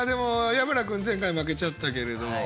矢花君前回負けちゃったけれど。